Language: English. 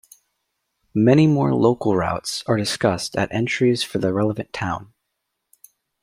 Many more local routes are discussed at entries for the relevant town.